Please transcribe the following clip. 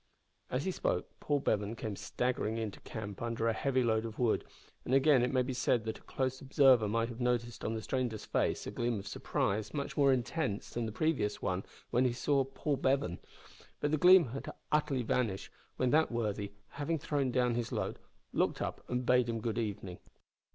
As he spoke Paul Bevan came staggering into camp under a heavy load of wood, and again it may be said that a close observer might have noticed on the stranger's face a gleam of surprise much more intense than the previous one when he saw Paul Bevan. But the gleam had utterly vanished when that worthy, having thrown down his load, looked up and bade him good evening.